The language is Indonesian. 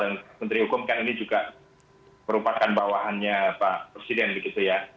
dan menteri hukum kan ini juga merupakan bawahannya pak presiden begitu ya